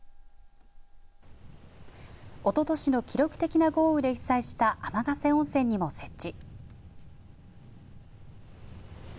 おととしの記録的な豪雨で被災した天ヶ瀬温泉にも設置。